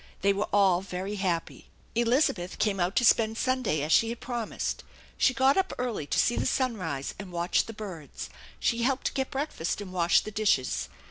They were all very happy. Elizabeth came out to spend Sunday as she had promised. She got up early to see the sun rise and watch the birds. She helped get breakfast and wash the dishes.